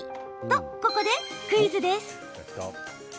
と、ここでクイズです！